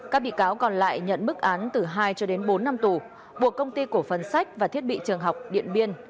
các bị cáo còn lại nhận bức án từ hai cho đến bốn năm tù buộc công ty cổ phân sách và thiết bị trường học điện biên